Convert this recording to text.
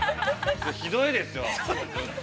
ひどいですよ、本当。